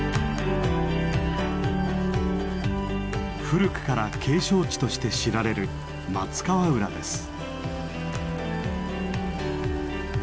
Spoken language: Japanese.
古くから景勝地として知られる松川浦です。